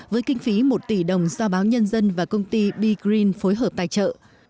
với kinh phí một tỷ đồng do báo nhân dân và công ty begreen phối hợp tài trợ